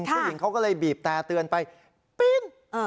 ผู้หญิงเขาก็เลยบีบแต่เตือนไปปีน